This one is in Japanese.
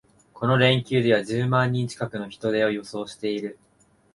この連休では十万人近くの人出を予想している